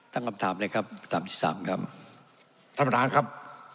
ตั้งคำถามเลยครับตามที่สามครับท่านประธานครับ